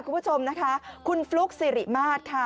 คุณผู้ชมนะคะคุณฟลุ๊กสิริมาตรค่ะ